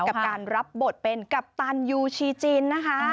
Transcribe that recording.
กับการรับบทเป็นกัปตันยูชีจีนนะคะ